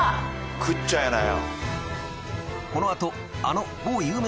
食っちゃいなよ。